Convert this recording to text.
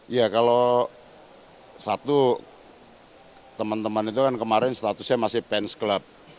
iya kalau satu teman teman itu kan kemarin statusnya masih fans club